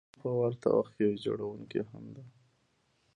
خو په ورته وخت کې ویجاړونکې هم ده.